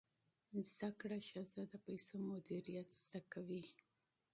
زده کړه ښځه د پیسو مدیریت زده کوي.